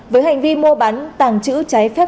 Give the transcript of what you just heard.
với hành vi mua bắn tàng trữ trái phép